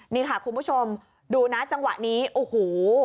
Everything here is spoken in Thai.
นี่ค่ะคุณผู้ชมดูนะจังหวะนี้โอ้โห